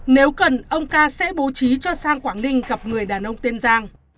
nếu cần ông ca sẽ bố trí cho sang quảng ninh gặp người đàn ông tiên giang